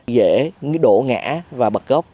rễ đổ ngã và bật gốc